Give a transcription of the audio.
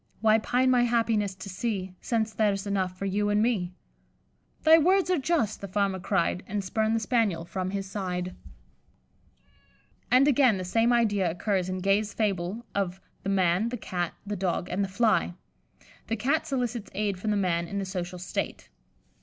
Why pine my happiness to see, Since there's enough for you and me?' 'Thy words are just,' the Farmer cried, And spurned the Spaniel from his side." And, again, the same idea occurs in Gay's fable of the "Man, the Cat, the Dog, and the Fly." The Cat solicits aid from the Man in the social state.